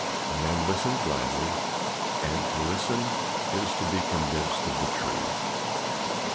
Men listen gladly; and to listen is to be convinced of the truth."